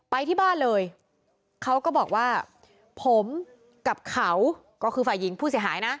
ไปที่บ้านเลยเขาก็บอกว่าผมกับเขาก็คือฝ่ายหญิงผู้เสียหายนะ